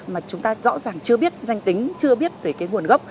mà chúng ta rõ ràng chưa biết danh tính chưa biết về nguồn nữ